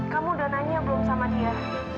kamu udah nanya belum sama dia